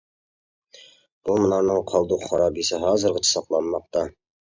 بۇ مۇنارنىڭ قالدۇق خارابىسى ھازىرغىچە ساقلانماقتا.